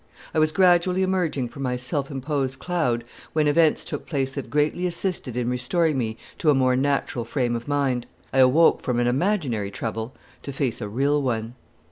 I was gradually emerging from my self imposed cloud when events took place that greatly assisted in restoring me to a more natural frame of mind. I awoke from an imaginary trouble to face a real one.